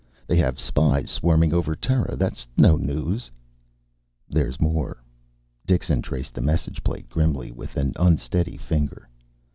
They have spies swarming over Terra. That's no news." "There's more." Dixon traced the message plate grimly, with an unsteady finger.